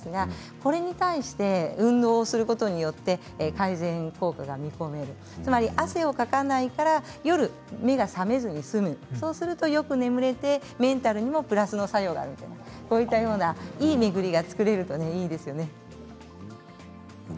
これに関して運動することによって改善が見込めるつまり汗をかかないから目が夜、覚めずに済むそうするとメンタルにもプラスの作用があるいい巡りが作れるといいですよね。